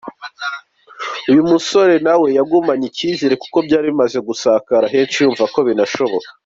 Uyu musore nawe yagumanye iki cyizere kuko byari bimaze gusakara henshi yumva ko binashoboka.